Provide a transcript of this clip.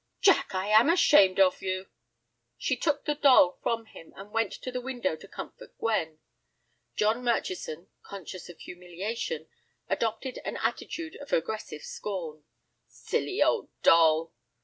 "Jack, I am ashamed of you." She took the doll from him, and went to the window to comfort Gwen. John Murchison, conscious of humiliation, adopted an attitude of aggressive scorn. "Silly old doll."